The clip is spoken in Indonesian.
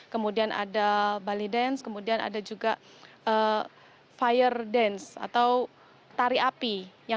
kemudian ada bali dance kemudian ada juga fire dance atau tari api